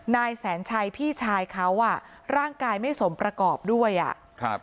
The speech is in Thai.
นายแสนชัยพี่ชายเขาอ่ะร่างกายไม่สมประกอบด้วยอ่ะครับ